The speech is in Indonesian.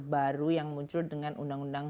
baru yang muncul dengan undang undang